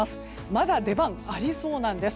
まだ出番、ありそうなんです。